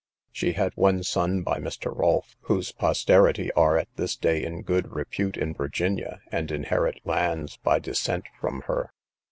She had one son by Mr. Rolfe, whose posterity are at this day in good repute in Virginia, and inherit lands by descent from her.